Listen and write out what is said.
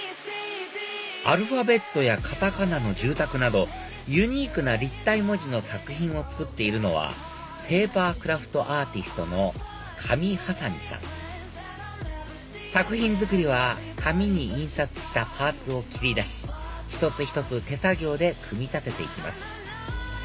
アルファベットや片仮名の住宅などユニークな立体文字の作品を作っているのはペーパークラフトアーティストのＫａｍｉｈａｓａｍｉさん作品作りは紙に印刷したパーツを切り出し一つ一つ手作業で組み立てて行きます